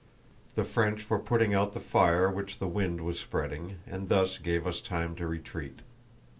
The French were putting out the fire which the wind was spreading, and thus gave us time to retreat.